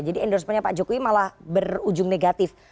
jadi endorsementnya pak jokowi malah berujung negatif